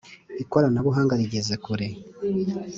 ikoranabuhanga rigeze kure